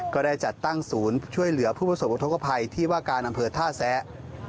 ก็ได้จัดตั้งศูนย์ช่วยเหลือผู้ประสบอุทธกภัยที่ว่าการอำเภอท่าแซะ